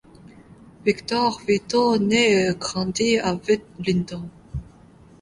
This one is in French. Victor Vito naît et grandit à Wellington.